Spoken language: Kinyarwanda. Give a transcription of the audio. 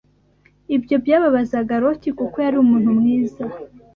Ibyo byababazaga Loti kuko yari umuntu mwiza